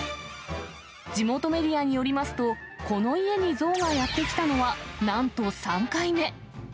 地元メディアによりますと、この家にゾウがやって来たのはなんと３回目。